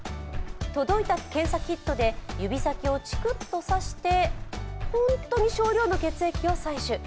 届いた検査キットで指先をちくっと刺してホントに少量の血液を採取。